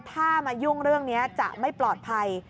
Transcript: ถ้ามายุ่งเรื่องนี้จะไม่ปลอดภัย